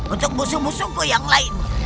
untuk musuh musuhku yang lain